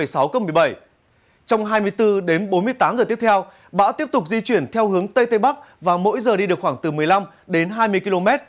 dự báo trong hai mươi bốn h tới bão sẽ di chuyển theo hướng tây tây bắc mỗi giờ đi được khoảng từ một mươi năm đến hai mươi km